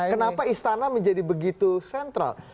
kenapa istana menjadi begitu sentral